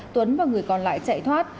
tuấn và người còn lại chạy thoát